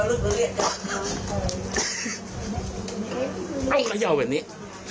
เอ้าเขย่าแบบนี้